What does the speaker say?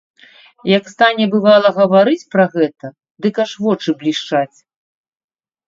Як стане, бывала, гаварыць пра гэта, дык аж вочы блішчаць.